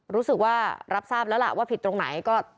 รู้สึกว่ารับทราบแล้วล่ะว่าผิดตรงไหนก็